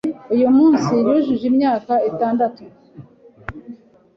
uyu munsi yujuje imyaka itandatu